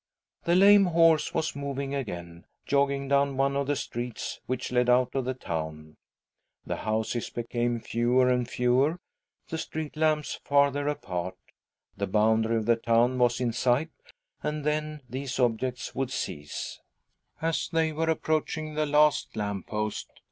t The lame horse was moving again, jogging down one of the streets which led out of the town The houses became fewer and fewer, the street lamps Lther apart. The boundary of the town was « sight and then these objects would cease. . 1 I, THE OLD WOMAN ON THE ROADSIDE 131 As they were approaching the last lamp post